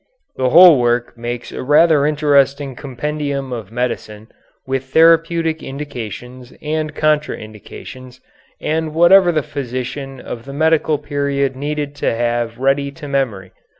The whole work makes a rather interesting compendium of medicine, with therapeutic indications and contra indications, and whatever the physician of the medieval period needed to have ready to memory.